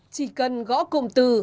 chỉ cần gõ cụm từ